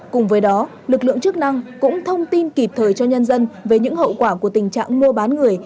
cùng với đó lực lượng chức năng cũng thông tin kịp thời cho nhân dân về những hậu quả của tình trạng mua bán người